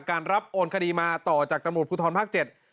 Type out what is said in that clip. การรับโอนคดีมาต่อจากปรุธรภาค๗